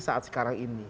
saat sekarang ini